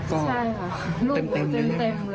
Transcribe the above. ใช่ค่ะลูกหนูเต็มเลย